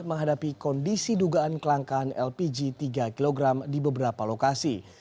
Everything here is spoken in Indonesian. menghadapi kondisi dugaan kelangkaan lpg tiga kg di beberapa lokasi